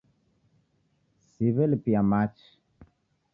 Siw'elipia machi